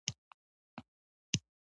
که په لاره کې د ځناورو وېره نه وای